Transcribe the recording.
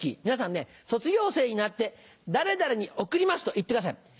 皆さん卒業生になって「誰々に贈ります」と言ってください。